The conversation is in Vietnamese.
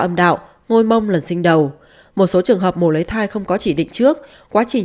âm đạo ngôi mông lần sinh đầu một số trường hợp ngồi lấy thai không có chỉ định trước quá trình